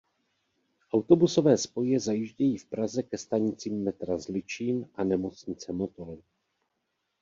Autobusové spoje zajíždějí v Praze ke stanicím metra Zličín a Nemocnice Motol.